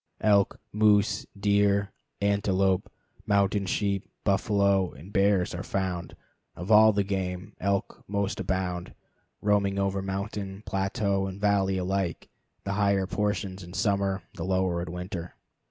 Elk, moose, deer, antelope, mountain sheep, buffalo, and bears are found. Of all the game, elk most abound, roaming over mountain, plateau, and valley alike, the higher portions in summer, the lower in winter.